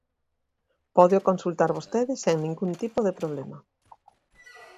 Pódeo consultar vostede sen ningún tipo de problema.